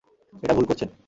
এটা ভুল করছেন।